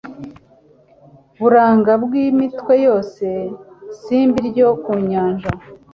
buranga bw'imitwe yose, simbi ryo ku nyanja